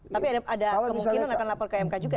tapi ada kemungkinan akan lapor ke mk juga ya